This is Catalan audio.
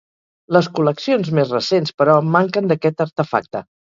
Les col·leccions més recents, però, manquen d'aquest artefacte.